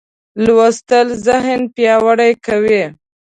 لوستل ذهن پیاوړی کوي.